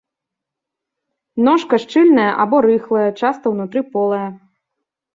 Ножка шчыльная або рыхлая, часта ўнутры полая.